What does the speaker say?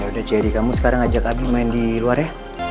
udah cherry kamu sekarang ajak abi main di luar ya